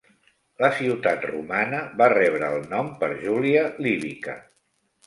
La ciutat romana va rebre el nom per Julia Libyca.